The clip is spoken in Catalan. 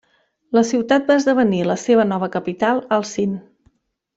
La ciutat va esdevenir la seva nova capital al Sind.